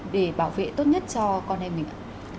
để bảo vệ tốt nhất cho con em mình ạ